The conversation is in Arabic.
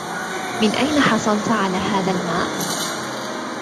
من أين حصلت على هذا الماء؟